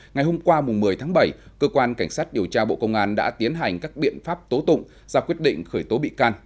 ngày hôm qua một mươi tháng bảy cơ quan cảnh sát điều tra bộ công an đã tiến hành các biện pháp tố tụng ra quyết định khởi tố bị can